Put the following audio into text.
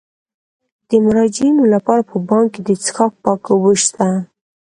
د مراجعینو لپاره په بانک کې د څښاک پاکې اوبه شته.